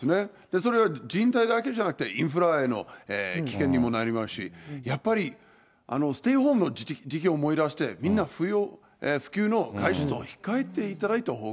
それは人体だけじゃなくて、インフラへの危険にもなりますし、やっぱり、ステイホームの時期を思い出して、みんな不要不急の外出を控えていただいたほうが。